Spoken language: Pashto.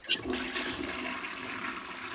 رئیس د استازو ترمنځ څنګه منځګړیتوب کوي؟